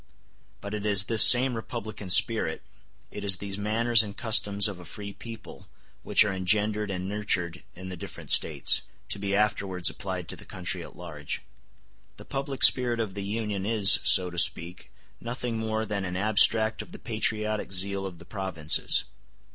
But it is this same republican spirit, it is these manners and customs of a free people, which are engendered and nurtured in the different States, to be afterwards applied to the country at large. The public spirit of the Union is, so to speak, nothing more than an abstract of the patriotic zeal of the provinces.